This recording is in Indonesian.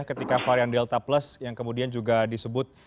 ketika varian delta plus yang kemudian juga disebut